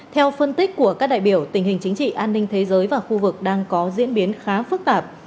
theo phân tích của các đại biểu tình hình chính trị an ninh thế giới và khu vực đang có diễn biến khá phức tạp